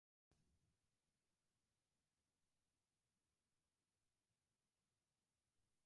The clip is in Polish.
Z przyjemnością oddajemy Panu głos